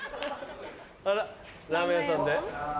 あらラーメン屋さんで。